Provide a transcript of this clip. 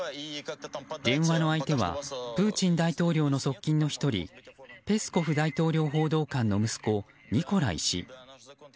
電話の相手はプーチン大統領の側近の１人ペスコフ大統領報道官の息子ニコライ氏。